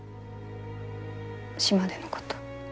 島でのこと。